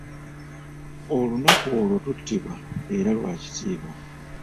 Olunaku olwo tutiibwa era lwa kitiibwa.